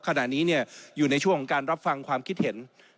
ขณะนี้อยู่ในช่วงของการรับฟังความคิดเห็น